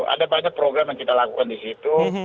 ada banyak program yang kita lakukan di situ